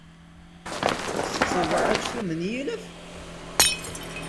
Ttetteḍ aksum n yilef?